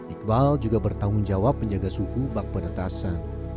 iqbal juga bertanggung jawab menjaga suhu bak penetasan